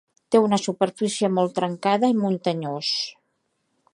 Té una superfície molt trencada i muntanyós.